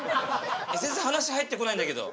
全然話入ってこないんだけど。